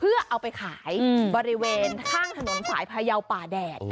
เพื่อเอาไปขายบริเวณข้างถนนสายพายาวป่าแดด